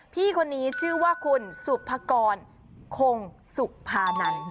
พี่คนนี้ชื่อว่าคุณสุภกรคงสุภานัน